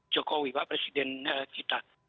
jokowi pak presiden kita